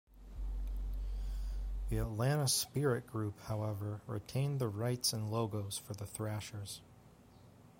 The Atlanta Spirit Group, however, retained the rights and logos for the Thrashers.